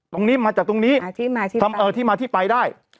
ตรงนี้มาจากตรงนี้ที่มาที่ไปได้